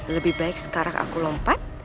lebih baik sekarang aku lompat